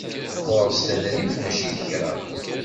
Ɣures tadrimt mačči d kra.